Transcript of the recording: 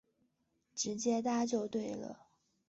直接搭就对了